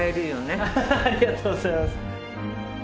ハハハありがとうございます。